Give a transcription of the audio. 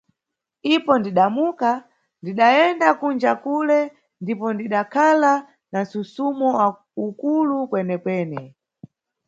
Ipo ndidamuka, ndidayenda kunja kule ndipo ndidakhala na msusumo ukulu kwene-kwene.